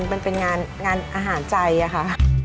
มันเป็นงานอาหารใจอะค่ะ